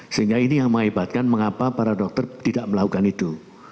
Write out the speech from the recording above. sehingga ini yang mengakibatkan mengapa para dokter tidak melakukan itu